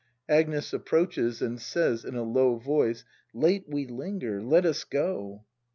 Agnes. {Ayiproaches, and says in a low voice.'l Late we linger: let us go.